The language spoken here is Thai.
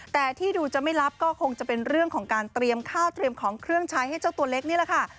แต่ที่ดูจะไม่รับก็คงจะเป็นเรื่องของการเตรียมข้าวเตรียมของเครื่องใช้ให้เจ้าตัวเล็กนี่แหละค่ะ